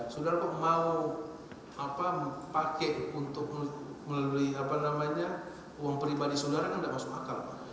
sudara mau pakai untuk membeli uang pribadi sudara kan enggak masuk akal